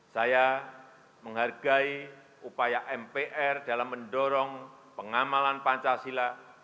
saya menghargai upaya mpr dalam mendorong pengamalan pancasila